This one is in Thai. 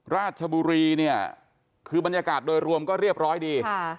ราชบุรีเนี่ยคือบรรยากาศโดยรวมก็เรียบร้อยดี